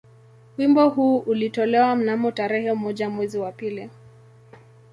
Wimbo huu ulitolewa mnamo tarehe moja mwezi wa pili